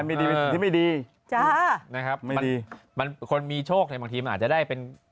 ไม่ได้เป็นสิ่งที่ไม่ดีไม่ดีมันคนมีโชคแต่มันอาจจะได้